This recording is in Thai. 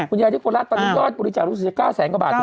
คุณยายที่โคลาสตอนนี้ก็บุริจาคม๙แสนกว่าบาทครับ